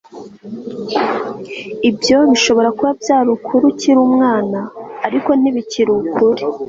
ibyo bishobora kuba byari ukuri ukiri umwana, ariko ntibikiri ukuri